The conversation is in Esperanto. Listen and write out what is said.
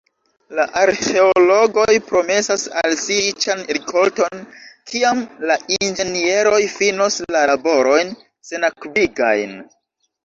La arĥeologoj promesas al si riĉan rikolton, kiam la inĝenieroj finos la laborojn senakvigajn.